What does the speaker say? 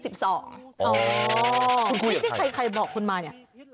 นี่ใครบอกคุณมาเนี่ย